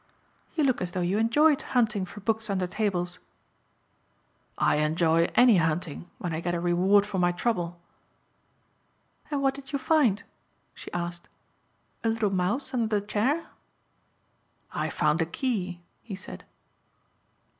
"You look as though you enjoyed hunting for books under tables." "I enjoy any hunting when I get a reward for my trouble." "And what did you find?" she asked "a little mouse under the chair?" "I found a key," he said.